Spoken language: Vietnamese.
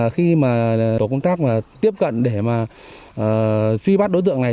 khi tổ công tác tiếp cận để suy bắt đối tượng này